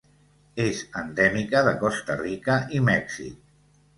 És endèmica de Costa Rica i Mèxic.